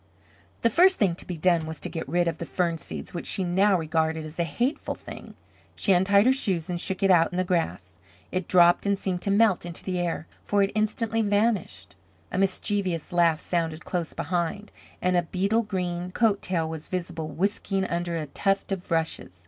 The first thing to be done was to get rid of the fern seed which she now regarded as a hateful thing. She untied her shoes and shook it out in the grass. It dropped and seemed to melt into the air, for it instantly vanished. A mischievous laugh sounded close behind, and a beetle green coat tail was visible whisking under a tuft of rushes.